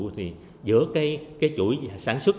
thì giữa cái chuỗi sản xuất